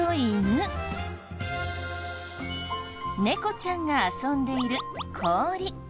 猫ちゃんが遊んでいる氷。